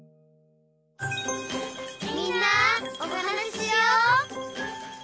「みんなおはなししよう」